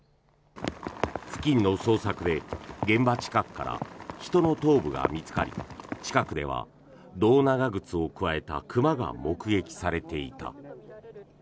付近の捜索で現場近くから人の頭部が見つかり近くでは胴長靴をくわえた熊が目撃されていた。